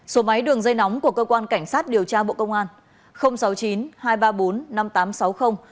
số máy đường dây nóng của cơ quan cảnh sát điều tra bộ công an